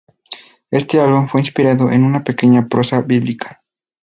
Éste álbum fue inspirado en una pequeña prosa bíblica.